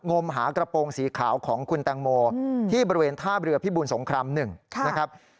มหากระโปรงสีขาวของคุณแตงโมที่บริเวณท่าเรือพิบูลสงคราม๑นะครับ